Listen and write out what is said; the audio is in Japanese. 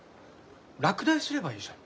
落第すればいいじゃん。